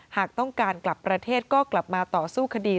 หากต้องการกลับประเทศก็กลับมาต่อสู้คดี